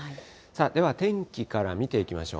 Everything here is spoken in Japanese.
では天気から見ていきましょう。